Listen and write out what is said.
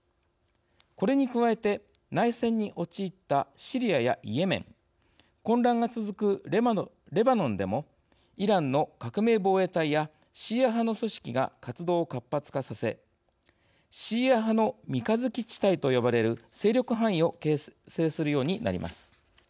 これに加えて内戦に陥ったシリアやイエメン混乱が続くレバノンでもイランの革命防衛隊やシーア派の組織が活動を活発化させシーア派の三日月地帯と呼ばれる勢力範囲を形成するようになります。